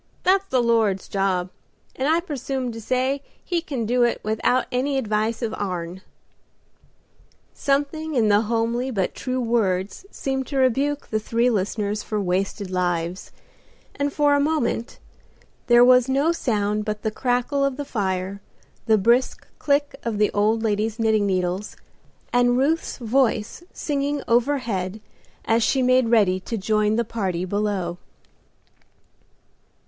That's the Lord's job, and I presume to say He can do it without any advice of ourn." Something in the homely but true words seemed to rebuke the three listeners for wasted lives, and for a moment there was no sound but the crackle of the fire, the brisk click of the old lady's knitting needles, and Ruth's voice singing overhead as she made ready to join the party below.